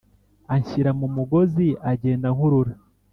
Anshyira mu mugozi agenda ankurura.